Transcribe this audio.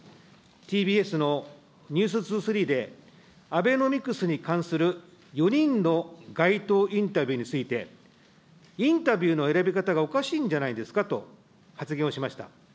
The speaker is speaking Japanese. ＴＢＳのニュース２３で、アベノミクスに関する４人の街頭インタビューについて、インタビューの選び方がおかしいんじゃないですかと発言をしました。